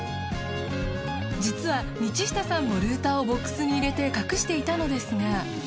実は道下さんもルーターをボックスに入れて隠していたのですが。